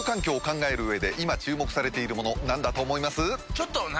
ちょっと何？